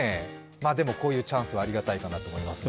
でも、こういうチャンスはありがたいかなと思いますが。